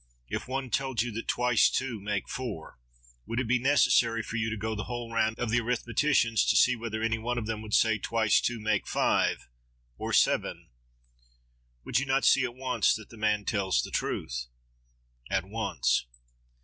If one told you that twice two make four, would it be necessary for you to go the whole round of the arithmeticians, to see whether any one of them will say that twice two make five, or seven? Would you not see at once that the man tells the truth? —At once.